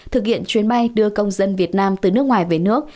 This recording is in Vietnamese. thực hiện chuyến bay đưa công dân việt nam từ nước ngoài về nước